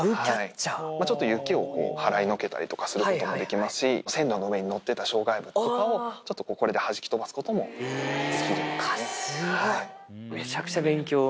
ちょっとゆきを払いのけたりすることもできますし、線路の上に載ってた障害物とかも、ちょっとこれではじき飛ばすことそっか、すごい。